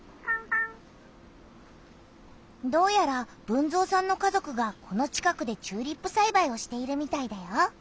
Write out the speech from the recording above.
どうやら豊造さんの家族がこの近くでチューリップさいばいをしているみたいだよ。